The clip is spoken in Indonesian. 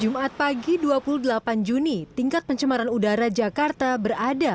jumat pagi dua puluh delapan juni tingkat pencemaran udara jakarta berada